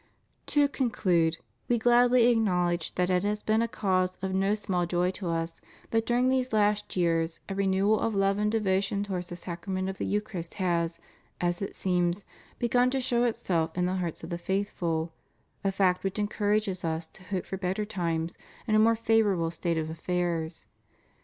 To conclude, We gladly acknowledge that it has been a cause of no small joy to Us that during these last years a renewal of love and devotion towards the Sacrament of the Eucharist has, as it seems, begun to show itself in the hearts of the faithful ; a fact which encourages Us to hope for better times and a more favorable state of affairs.